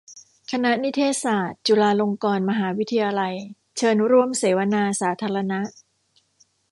คณะนิเทศศาสตร์ จุฬาลงกรณ์มหาวิทยาลัย เชิญร่วมเสวนาสาธารณะ